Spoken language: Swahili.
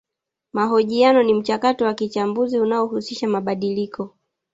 Mahojiano ni mchakato wa kichambuzi unaohusisha mabadiliko